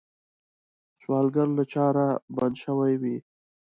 سوالګر له چاره بنده شوی وي